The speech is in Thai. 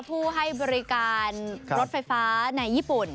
ผู้ให้บริการรถไฟฟ้าในญี่ปุ่น